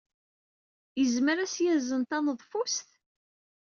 Yezmer ad as-yazen taneḍfust?